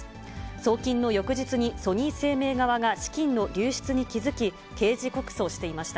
送金の翌日にソニー生命側が資金の流出に気付き、刑事告訴していました。